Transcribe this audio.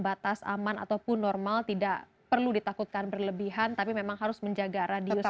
batas aman ataupun normal tidak perlu ditakutkan berlebihan tapi memang harus menjaga radius